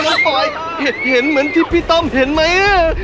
น้องปอยเห็นเหมือนที่พี่ต้มเห็นไหม